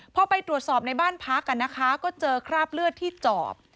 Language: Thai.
พอไปตรวจสอบในบ้านพักนะคะก็เจอคราบเลือดที่จอบ